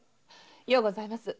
ようございます。